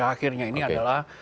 akhirnya ini adalah